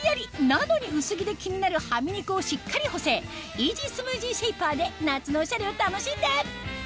なのに薄着で気になるハミ肉をしっかり補整イージースムージーシェイパーで夏のオシャレを楽しんで！